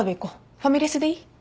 ファミレスでいい？